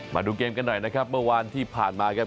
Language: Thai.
มาดูเกมกันหน่อยนะครับเมื่อวานที่ผ่านมาครับ